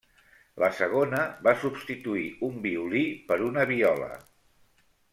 La segona, va substituir un violí per una viola.